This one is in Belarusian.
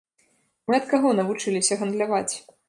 Мы ад каго навучыліся гандляваць?